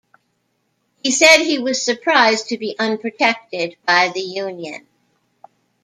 He said he was surprised to be unprotected by the Union.